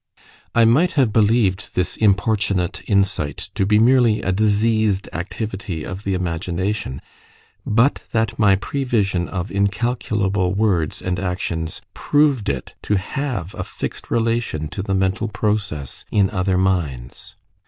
I might have believed this importunate insight to be merely a diseased activity of the imagination, but that my prevision of incalculable words and actions proved it to have a fixed relation to the mental process in other minds.